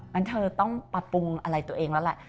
งั้นเธอต้องปรับปรุงอะไรตัวเองแล้วแหละ